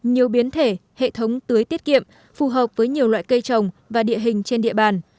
nhiều biến thể hệ thống tưới tiết kiệm phù hợp với nhiều loại cây trồng và địa hình trên địa bàn